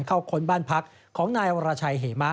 เข้าคนบ้านพักของนายวรชัยเหม้า